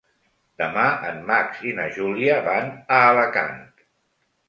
Demà en Max i na Júlia van a Alacant.